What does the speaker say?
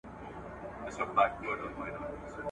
له يوه اړخه څخه هم د کورنۍ سردار جوړ کړی وي